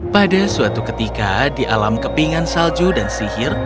pada suatu ketika di alam kepingan salju dan sihir